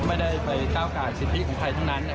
ไม่ได้ไปก้าวกายสิทธิของใครทั้งนั้น